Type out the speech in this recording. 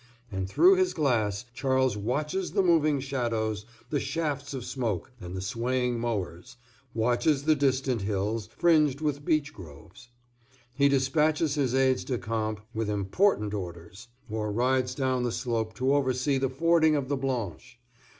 And through his glass Charles watches the moving shadows, the shafts of smoke, and the swaying mowers, watches the distant hills fringed with beech groves. He despatches his aides de camp with important orders, or rides down the slope to oversee the fording of the Blanche.